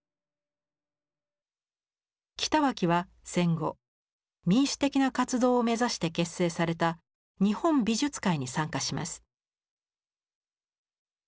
北脇は戦後民主的な活動を目指して結成された日本美術会に参加します。